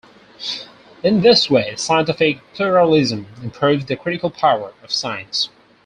In this way, scientific pluralism improves the critical power of science.